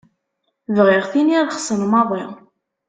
Bɣiɣ tin irexsen maḍi.